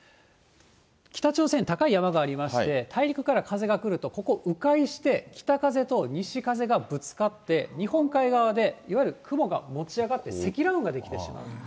北朝鮮に高い山がありまして、大陸から風が来ると、ここ、迂回して北風と西風がぶつかって、日本海側でいわゆる雲が持ち上がって積乱雲が出来てしまう。